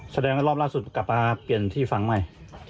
แสดงว่ารอบล่าสุดกลับมาเปลี่ยนที่ฟังใหม่